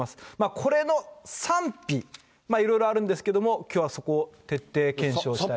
これの賛否、いろいろあるんですけれども、きょうはそこを徹底検証したいなと。